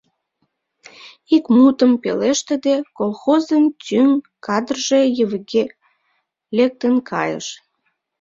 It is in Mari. Ик мутым пелештыде, колхозын тӱҥ кадрже ювыге лектын кайыш.